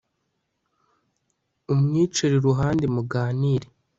umwicare iruhande muganire